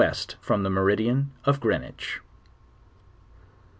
from the meridian of Green wich.